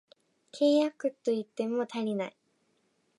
軽薄と言っても足りない